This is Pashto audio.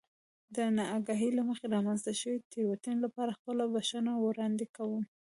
د نااګاهۍ له مخې رامنځته شوې تېروتنې لپاره خپله بښنه وړاندې کوم.